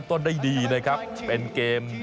ต้นได้ดีนะครับเป็นเกม